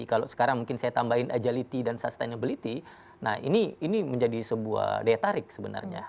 kalau sekarang mungkin saya tambahin agility dan sustainability nah ini menjadi sebuah daya tarik sebenarnya